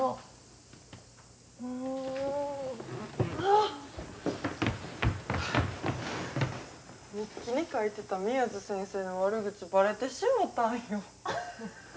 日記に書いてた宮津先生の悪口バレてしもたんよ。